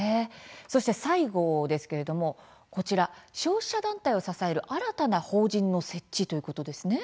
そして最後ですけれども消費者団体を支える新たな法人の設置ということですね。